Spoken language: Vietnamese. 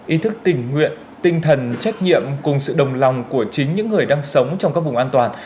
ý thức tình nguyện tinh thần trách nhiệm cùng sự đồng lòng của chính những người đang sống trong các vùng an toàn